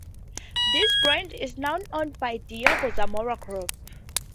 This brand is now owned by Diego Zamora Group.